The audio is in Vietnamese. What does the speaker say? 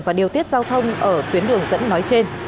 và điều tiết giao thông ở tuyến đường dẫn nói trên